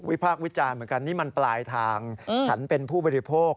ยอมรับว่าการตรวจสอบเพียงเลขอยไม่สามารถทราบได้ว่าเป็นผลิตภัณฑ์ปลอม